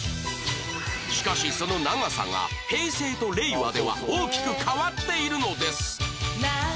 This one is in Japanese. しかしその長さが平成と令和では大きく変わっているのです